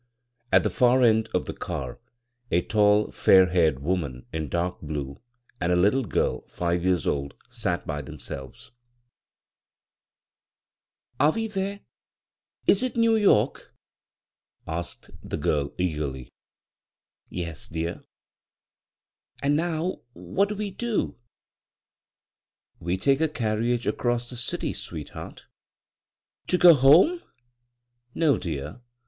At the far end of the car a tall, ^r haired woman in dark blue, and a litde girl five years old sat by them selves. 9 bvGoog[c CROSS CURRENTS "Are we there? Is it New Y(^ 7" a^ed the child, eageiiy. "Yes, dear." " Aad now what do we do ?"" We take a carriage across Ae dty, sweet heart." " To go home ?"" No, dear.